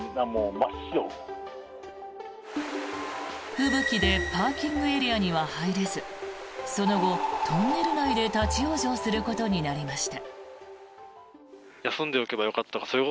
吹雪でパーキングエリアには入れずその後、トンネル内で立ち往生することになりました。